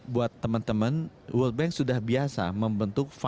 buat teman teman world bank sudah biasa membentuk formal